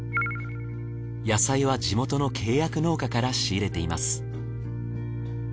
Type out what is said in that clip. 野菜は地元の契約農家から仕入れています。